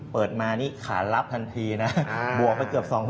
เปิดมานี่ขารับทันทีนะบวกไปเกือบ๒๐๐